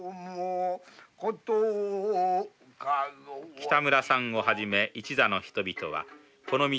北村さんをはじめ一座の人々はこの道